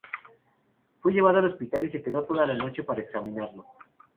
Fue llevado al hospital y se quedó toda la noche para examinarlo.